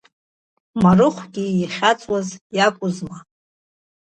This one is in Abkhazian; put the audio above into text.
Марыхәгьы ихьаҵуаз иакәызма.